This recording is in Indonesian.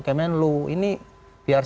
kemen lu ini biar